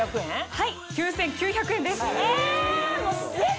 はい９９００円です。え！